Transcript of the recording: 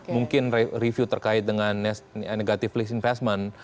mungkin review terkait dengan negative list investment